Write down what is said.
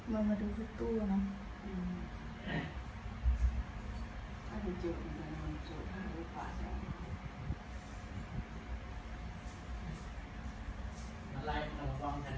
มาดูข้างตู้นะ